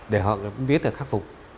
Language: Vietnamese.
để họ biết là khắc phục